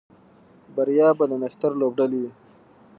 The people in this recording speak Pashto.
بریا به د نښتر لوبډلې وي